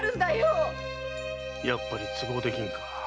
やっぱり都合できんか。